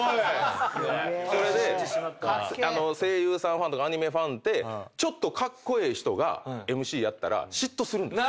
それで声優さんファンとかアニメファンってちょっとカッコエエ人がＭＣやったら嫉妬するんです。